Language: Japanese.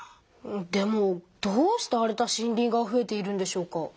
でもどうして荒れた森林がふえているんでしょうか？